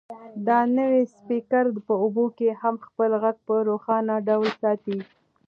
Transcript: دا نوی سپیکر په اوبو کې هم خپل غږ په روښانه ډول ساتي.